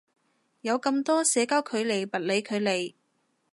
有咁多社交距離物理距離